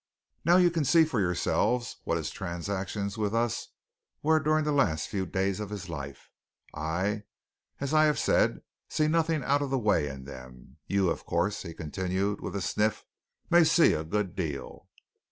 Now, you can see for yourselves what his transactions with us were during the last few days of his life; I, as I have said, see nothing out of the way in them you, of course," he continued, with a sniff, "may see a good deal!"